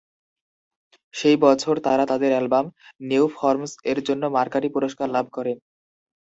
সেই বছর তারা তাদের অ্যালবাম "নিউ ফর্মস" এর জন্য মার্কারি পুরস্কার লাভ করে।